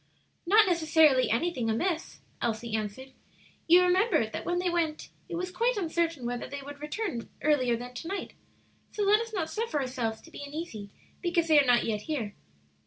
"Not necessarily anything amiss," Elsie answered. "You remember that when they went it was quite uncertain whether they would return earlier than to night; so let us not suffer ourselves to be uneasy because they are not yet here."